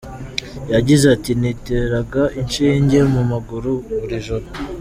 Yagize ati “Niteraga inshinge mu maguru buri joro.